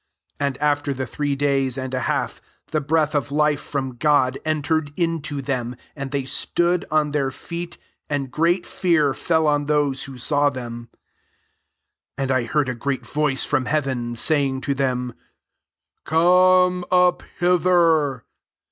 11 And fter the three days and a half be breath of life from God, ntcred into them, and they tood on their feet ; and great 3ar fell on those who saw tieHi* 12 And I heard a great oice from heaven, saying to aem, " Come up hither.'